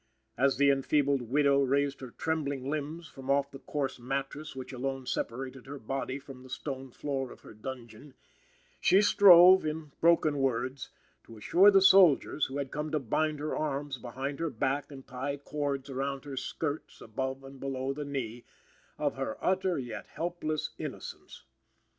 As the enfeebled widow raised her trembling limbs from off the coarse mattress which alone separated her body from the stone floor of her dungeon, she strove, in broken words, to assure the soldiers, who had come to bind her arms behind her back and tie cords around her skirts above and below the knee, of her utter, yet helpless innocence.